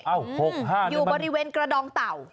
อ้าว๖๕นี่มันอยู่บริเวณกระดองเต่า